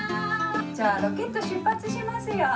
じゃあロケットしゅっぱつしますよ。